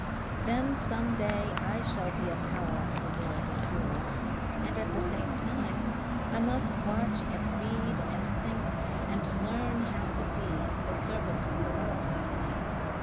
Then some day I shall be a power in the world of fuel. And at the same time I must watch and read and think and learn how to be the servant of the world....